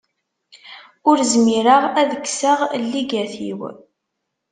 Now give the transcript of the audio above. Ur zmireɣ ad kkseɣ lligat-iw.